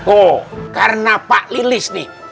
oh karena pak lilis nih